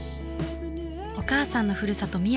お母さんのふるさと